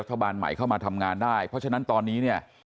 ที่สมควรจะตรวจ